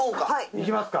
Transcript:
いきますか。